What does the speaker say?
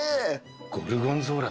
ゴルゴンゾーラだって。